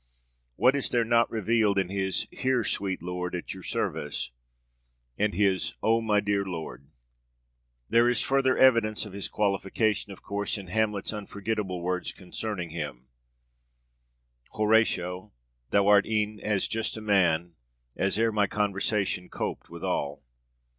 What is there not revealed in his 'Here, sweet lord, at your service,' and his 'O my dear lord!' There is further evidence of his qualification, of course, in Hamlet's unforgettable words concerning him: 'Horatio, thou art e'en as just a man As e'r my conversation coped withal.'